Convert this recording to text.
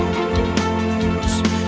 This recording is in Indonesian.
terima kasih nya ih